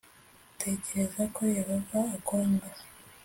Utekereza ko Yehova akwanga?